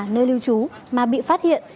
nơi lưu trú mà bị phát hiện